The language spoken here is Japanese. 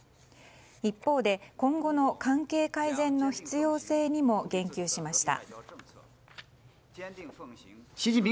一方で今後の関係改善の必要性にも言及しました。